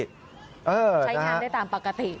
ใช้งานได้ตามปกติ